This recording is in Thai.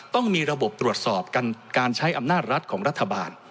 ต้องมีระบบตรวจสอบการใช้อำนาจรัฐของรัฐบาล